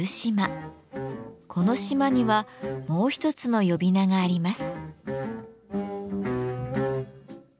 この島にはもう一つの呼び名があります。